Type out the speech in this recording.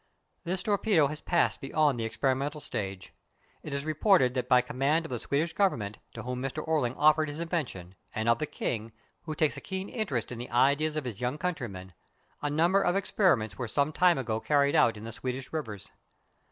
This torpedo has passed beyond the experimental stage. It is reported that by command of the Swedish Government, to whom Mr. Orling offered his invention, and of the King, who takes a keen interest in the ideas of his young countryman, a number of experiments were some time ago carried out in the Swedish rivers.